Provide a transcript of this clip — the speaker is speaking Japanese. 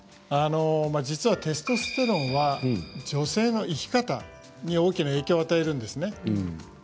実はテストステロンは女性の生き方に大きな影響を与えるんです。